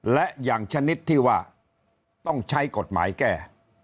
และอย่างชนิดที่ว่าต้องใช้กฎหมายแก้